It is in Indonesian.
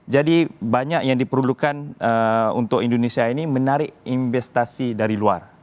jadi banyak yang diperlukan untuk indonesia ini menarik investasi dari luar